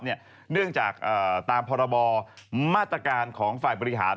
เนื่องจากตามพรบมาตรการของฝ่ายบริหาร